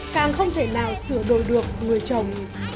càng không thể nào sửa đổi được người chồng